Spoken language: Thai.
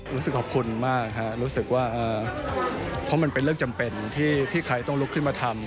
รู้สึกขอบคุณมากฮะรู้สึกว่าเพราะมันเป็นเรื่องจำเป็นที่ใครต้องลุกขึ้นมาทำ